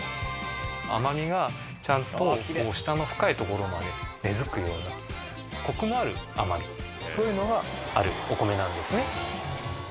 甘みがちゃんと下の深いところまで根付くようなコクのある甘みそういうのがあるお米なんですね。